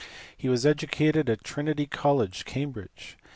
He was educated at Trinity College, Cambridge.